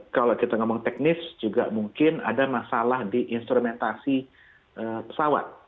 kalau kita ngomong teknis juga mungkin ada masalah di instrumentasi pesawat